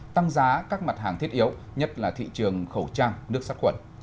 tăng giá các mặt hàng thiết yếu nhất là thị trường khẩu trang nước sắt quẩn